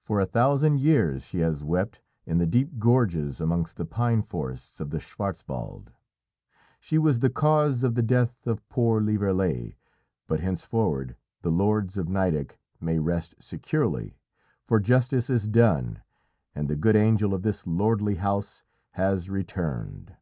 For a thousand years she has wept in the deep gorges amongst the pine forests of the Schwartzwald; she was the cause of the death of poor Lieverlé; but henceforward the lords of Nideck may rest securely, for justice is done, and the good angel of this lordly house has returned!"